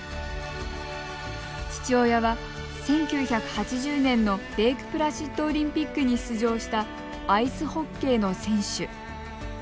父親は１９８０年のレークプラシッドオリンピックに出場した、アイスホッケーの選手。